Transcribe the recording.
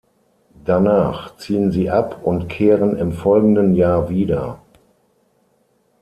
Danach ziehen sie ab und kehren im folgenden Jahr wieder.